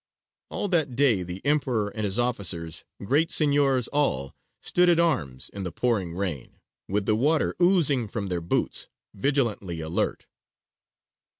All that day the Emperor and his officers, great signiors all, stood at arms in the pouring rain, with the water oozing from their boots, vigilantly alert.